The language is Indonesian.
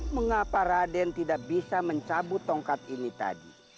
mengapa raden tidak bisa mencabut tongkat ini tadi